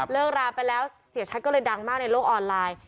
รามไปแล้วเสียชัดก็เลยดังมากในโลกออนไลน์